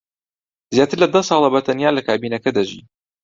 زیاتر لە دە ساڵە بەتەنیا لە کابینەکە دەژی.